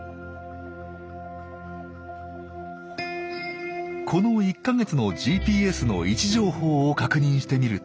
この１か月のＧＰＳの位置情報を確認してみると。